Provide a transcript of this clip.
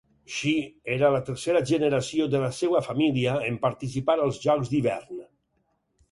Shea era la tercera generació de la seva família en participar als jocs d'hivern.